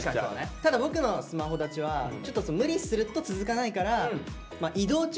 ただ僕のスマホ断ちはちょっと無理すると続かないから。